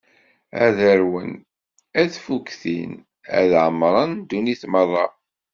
Ad arwen, ad ffuktin, ad ɛemṛen ddunit meṛṛa.